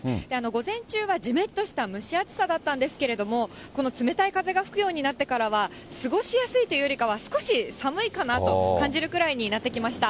午前中はじめったとした蒸し暑さだったんですけれども、この冷たい風が吹くようになってからは、過ごしやすいというよりかは、少し寒いかなと感じるくらいになってきました。